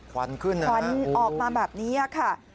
วันขึ้นควันออกมาแบบนี้ค่ะ